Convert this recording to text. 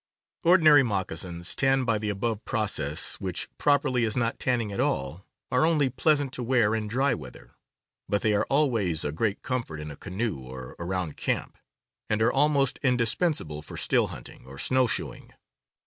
Ordinary moccasins, tanned by the above process (which properly is not tanning at all) , are only pleasant to wear in dry weather. But they are always a great comfort in a canoe or around camp, and are almost indispensable for still hunting or snow shoeing.